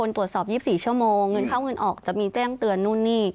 ตรวจสอบ๒๔ชั่วโมงเงินเข้าเงินออกจะมีแจ้งเตือนนู่นนี่